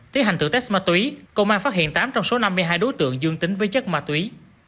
thế hành tự test ma túy công an phát hiện tám trong số năm mươi hai đối tượng dương tính với chất ma túy